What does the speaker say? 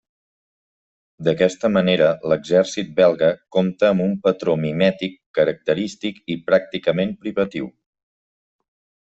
D'aquesta manera, l'exèrcit belga compta amb un patró mimètic característic i pràcticament privatiu.